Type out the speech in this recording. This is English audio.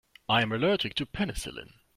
I am allergic to penicillin.